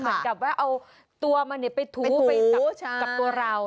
แบบว่าเอาตัวมันไปถูกกับตัวเรา